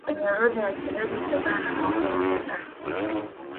kwenye orodha ya wachezaji Kutokana na maongezi na